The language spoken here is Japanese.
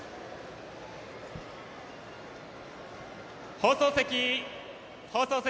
放送席、放送席。